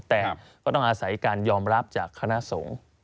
แต่ก็ต้องอาศัยการยอมรับจากคณะสงฆ์